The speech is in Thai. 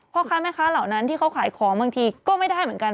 พ่อค้าแม่ค้าเหล่านั้นที่เขาขายของบางทีก็ไม่ได้เหมือนกัน